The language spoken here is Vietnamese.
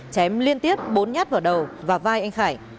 chém liên tiếp bốn nhát vào đầu và vai anh khải